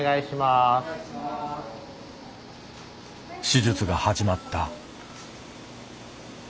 手術が始まった。